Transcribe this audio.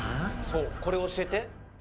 そうこれ教えて。